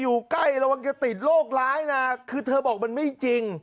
อยู่ใกล้ระวังจะติดโรคร้ายนะคือเธอบอกมันไม่จริง